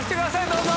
どうぞ。